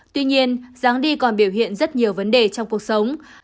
tuy nhiên dáng đi còn biểu hiện rất nhiều vấn đề trong cuộc sống